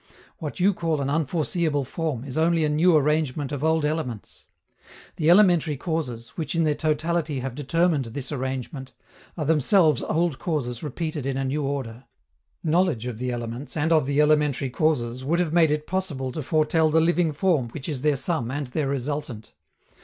What you call an unforeseeable form is only a new arrangement of old elements. The elementary causes, which in their totality have determined this arrangement, are themselves old causes repeated in a new order. Knowledge of the elements and of the elementary causes would have made it possible to foretell the living form which is their sum and their resultant.